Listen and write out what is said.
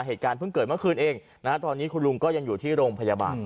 เหตุการณ์เพิ่งเกิดเมื่อคืนเองนะฮะตอนนี้คุณลุงก็ยังอยู่ที่โรงพยาบาล